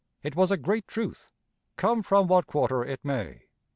It was a great truth, come from what quarter it may.